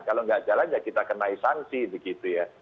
kalau enggak jalan ya kita kena isansi begitu ya